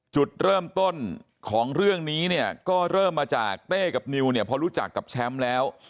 จุดเริ่มต้นของเรื่องนี้เนี่ยก็เริ่มมาจากเต้กับนิวเนี่ยพอรู้จักกับแชมป์แล้ว